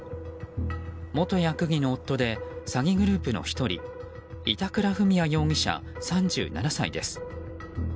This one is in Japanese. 元谷区議の夫で詐欺グループの１人板倉史也容疑者、３７歳です。